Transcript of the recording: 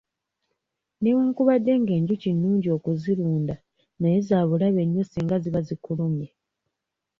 Newankubadde ng'enjuki nnungi okuzirunda naye za bulabe nnyo singa ziba zikulumye.